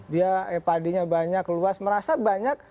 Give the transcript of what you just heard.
dia padinya banyak luas merasa banyak